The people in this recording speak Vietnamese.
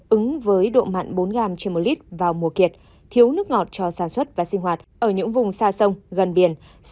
ứng với độ mặn bốn gram trên một lít vào mùa kiệt thiếu nước ngọt cho sản xuất và sinh hoạt ở những vùng xa sông gần biển